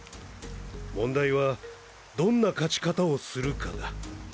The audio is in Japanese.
問題はどんな勝ち方をするかだ。